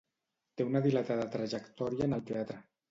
Té una dilatada trajectòria en el teatre.